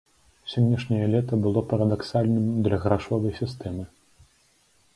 Сённяшняе лета было парадаксальным для грашовай сістэмы.